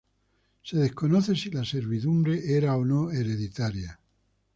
Se desconoce si la servidumbre era o no hereditaria.